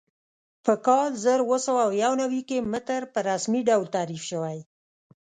په کال زر اووه سوه یو نوي کې متر په رسمي ډول تعریف شوی.